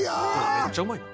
めっちゃうまいな。